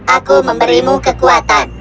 aku memberimu kekuatan